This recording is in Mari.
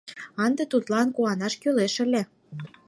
Ынде тудлан куанаш кӱлеш ыле.